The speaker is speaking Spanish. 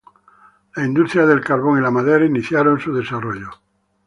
Las industrias del carbón y la madera iniciaron su desarrollo.